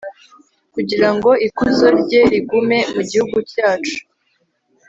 kugira ngo ikuzo rye rigume mu gihugu cyacu